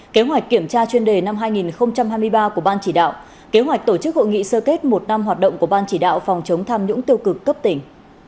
kế hoạch kiểm tra chuyên đề năm hai nghìn hai mươi ba của ban chỉ đạo kế hoạch tổ chức hội nghị sơ kết một năm hoạt động của ban chỉ đạo phòng chống tham nhũng tiêu cực cấp tỉnh